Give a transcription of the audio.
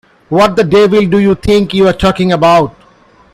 What the devil do you think you're talking about?